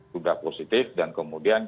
sudah positif dan kemudian